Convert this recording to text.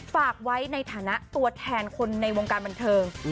ฝากไว้ในฐานะตัวแทนคนในวงการบันเทิง